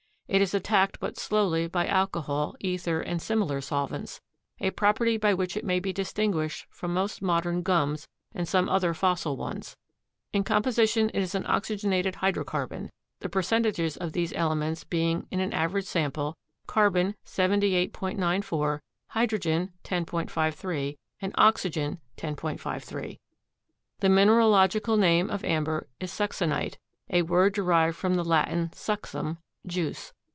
It is attacked but slowly by alcohol, ether and similar solvents, a property by which it may be distinguished from most modern gums and some other fossil ones. In composition it is an oxygenated hydrocarbon, the percentages of these elements being in an average sample, carbon 78.94, hydrogen 10.53 and oxygen 10.53. The mineralogical name of amber is succinite, a word derived from the Latin succum, juice.